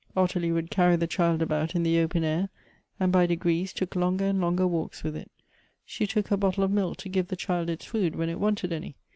Ottilie would carry the child about in the open air, and by degrees took longer and longer walks with it. She took her bottle of milk to give the child its food when it wanted any.